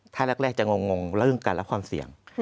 ถ้าแรกจะงงเรื่องการรับความเสี่ยง